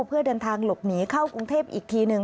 เพื่อเดินทางหลบหนีเข้ากรุงเทพอีกทีหนึ่ง